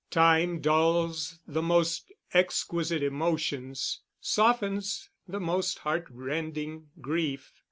Time dulls the most exquisite emotions, softens the most heartrending grief.